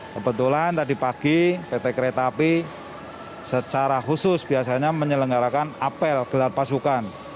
kebetulan tadi pagi pt kereta api secara khusus biasanya menyelenggarakan apel gelar pasukan